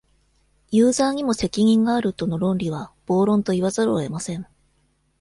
ユーザーにも責任がある、との論理は、暴論と言わざるをえません。